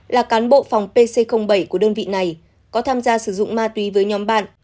là cán bộ phòng pc bảy của đơn vị này có tham gia sử dụng ma túy với nhóm bạn